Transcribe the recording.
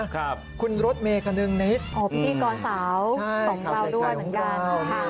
ครับคุณรถเมย์คนึงนิดอ๋อพิธีกรสาวของเราด้วยเหมือนกันค่ะ